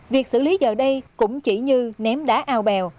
việc xử lý giờ đây cũng chỉ như ném đá ao bèo